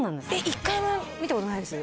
１回も見たことないです？